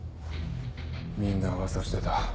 みんな噂してた。